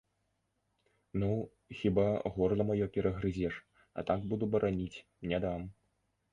Ну, хіба горла маё перагрызеш, а так буду бараніць, не дам.